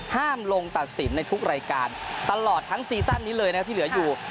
ห้ามลงตัดสินในทุกรายการตลอดทั้งซีซั่นนี้เลยนะครับที่เหลืออยู่